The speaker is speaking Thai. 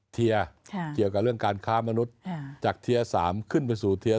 เทียเกี่ยวกับเรื่องการค้ามนุษย์จากเทียร์๓ขึ้นไปสู่เทียร์